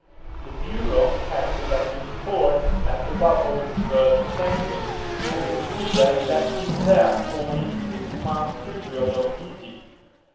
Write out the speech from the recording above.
The Bureau had selected Horne as the bubble's first attendant and the cruiser left him there for his six months' period of duty.